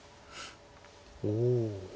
おお。